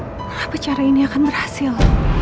kenapa cara ini akan berhasil